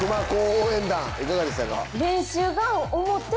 応援団いかがでしたか？